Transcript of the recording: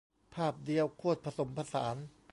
ภาพเดียวโคตรผสมผสาน